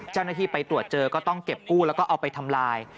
เจ้าหน้าที่ไปตรวจเจอก็ต้องเก็บกู้แล้วก็เอาไปทำลาย